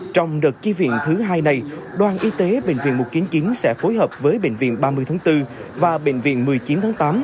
trong đợt chi viện thứ hai này đoàn y tế bệnh viện một trăm chín mươi chín sẽ phối hợp với bệnh viện ba mươi tháng bốn và bệnh viện một mươi chín tháng tám